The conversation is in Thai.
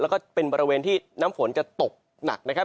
แล้วก็เป็นบริเวณที่น้ำฝนจะตกหนักนะครับ